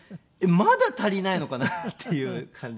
まだ足りないのかなっていう感じで。